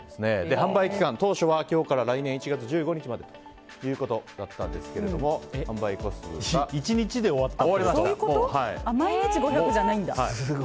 販売期間、当初は今日から来年１月１５日までということだったんですが１日で終わったんだ。